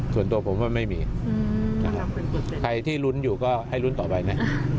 ส่วนตัวผมว่าไม่มีนะครับใครที่ลุ้นอยู่ก็ให้ลุ้นต่อไปนะ